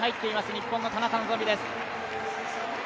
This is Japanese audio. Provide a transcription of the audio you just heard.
日本の田中希実です。